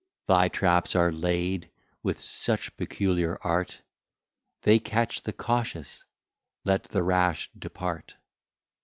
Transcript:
Thy traps are laid with such peculiar art, They catch the cautious, let the rash depart.